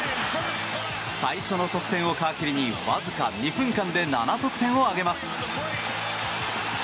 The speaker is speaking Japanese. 最初の得点を皮切りにわずか２分間で７得点を挙げます。